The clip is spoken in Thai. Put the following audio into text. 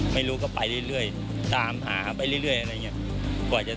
ไม่รู้ก็ไปเรื่อยตามหาไปเรื่อยอะไรอย่างนี้